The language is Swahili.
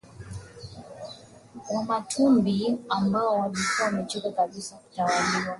Wamatumbi ambao walikuwa wamechoka kabisa kutawaliwa